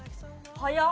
早っ！